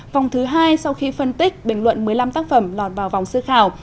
vòng thứ hai sau khi phân tích bình luận một mươi năm tác phẩm lọt vào vòng sơ khảo